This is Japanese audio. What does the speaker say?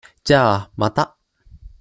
じゃあ、また。